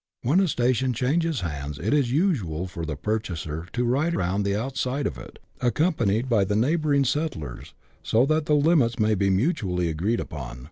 When a station changes hands, it is usual for the purchaser to ride round the outside of it, accompanied by the neighbouring settlers, so that the limits may be mutually agreed upon.